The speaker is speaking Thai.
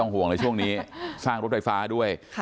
ห่วงเลยช่วงนี้สร้างรถไฟฟ้าด้วย